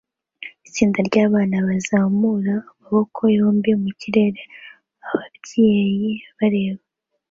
Itsinda ryabana bazamura amaboko yombi mukirere ababyeyi bareba